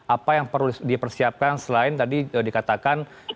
apa yang perlu dipersiapkan selain tadi dikatakan